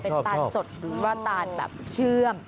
เป็นตาลสดหรือว่าตาลแบบเชื่อม